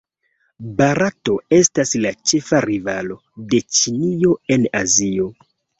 Barato estas la ĉefa rivalo de Ĉinio en Azio.